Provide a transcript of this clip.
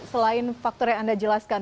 selain faktor yang anda jelaskan